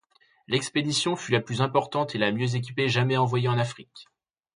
L’expédition fut la plus importante et la mieux équipée jamais envoyée en Afrique.